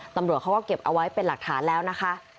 ตำรวจเขาก็เก็บเอาไว้เป็นหลักฐานแล้วนะคะ